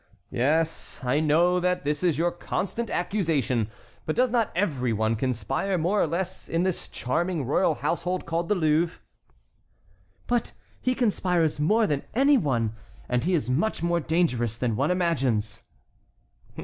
"Yes, I know that this is your constant accusation; but does not every one conspire more or less in this charming royal household called the Louvre?" "But he conspires more than any one, and he is much more dangerous than one imagines."